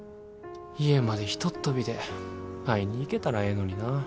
家までひとっ飛びで会いに行けたらええのにな。